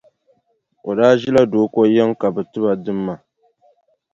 O daa ʒila Dooko yiŋa ka bɛ ti ba dimma.